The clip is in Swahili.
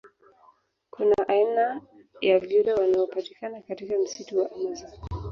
Kuna aina ya vyura wanaopatikana katika msitu wa amazon